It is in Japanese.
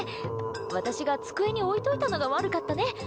私が机に置いておいたのが悪かったね。